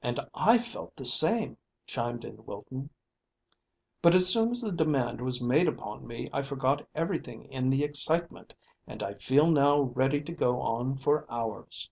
"And I felt the same," chimed in Wilton. "But as soon as the demand was made upon me I forgot everything in the excitement, and I feel now ready to go on for hours."